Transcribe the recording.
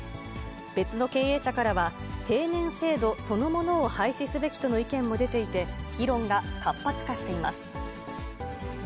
別の経営者からは、定年制度そのものを廃止すべきとの意見も出ていて、議論が活発化しています。